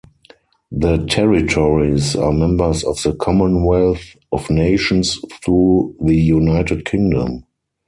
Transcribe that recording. The territories are members of the Commonwealth of Nations through the United Kingdom.